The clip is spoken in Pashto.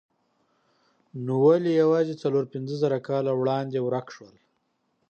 نو ولې یوازې څلور پنځه زره کاله وړاندې ورک شول؟